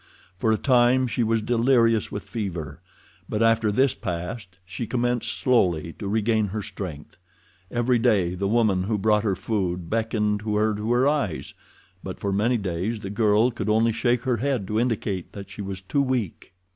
For a time she was delirious with fever, but after this passed she commenced slowly to regain her strength. Every day the woman who brought her food beckoned to her to arise, but for many days the girl could only shake her head to indicate that she was too weak.